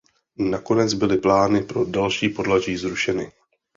Nakonec byly plány pro další podlaží zrušeny.